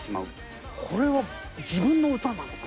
これは自分の歌なのか。